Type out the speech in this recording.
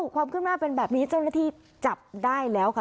ความขึ้นหน้าเป็นแบบนี้เจ้าหน้าที่จับได้แล้วค่ะ